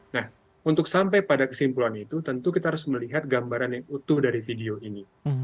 nah untuk sampai pada kesimpulan itu tentu kita harus melihat gambaran yang utuh dari video ini